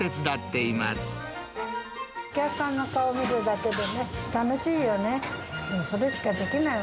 お客さんの顔見るだけでね、楽しいよね。